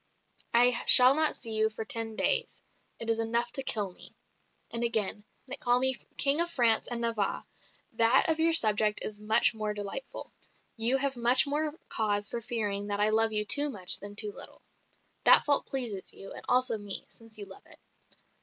I shall not see you for ten days, it is enough to kill me." And again, "They call me King of France and Navarre that of your subject is much more delightful you have much more cause for fearing that I love you too much than too little. That fault pleases you, and also me, since you love it.